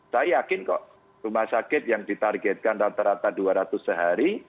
saya yakin kok rumah sakit yang ditargetkan rata rata dua ratus sehari